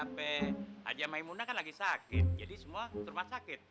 sampai haji mahimunda kan lagi sakit jadi semua turmat sakit